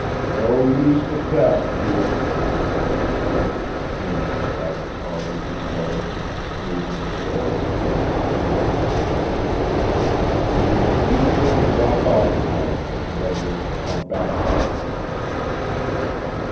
"No use of that, kid!" interposed Link, kneeling beside the collie he loved and smoothing the soiled and rumpled fur. "It's easier to drop out of life than what it is to come back to it again.